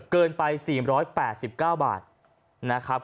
เกินไป๔๘๙บาทนะครับ